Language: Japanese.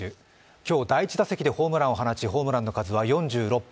今日第１打席でホームランを放ちホームランの数は４６本。